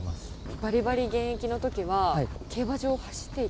ばりばり現役のときは、競馬場を走っていた？